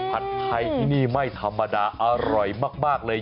ผัดไทยที่นี่ไม่ธรรมดาอร่อยมากเลย